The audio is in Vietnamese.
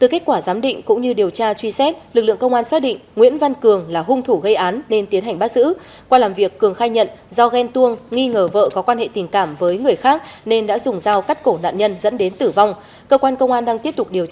cơ quan công an đang tiếp tục điều tra củng cố hồ sơ để xử lý đối tượng theo quy định của pháp luật